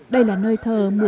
đây là nơi thờ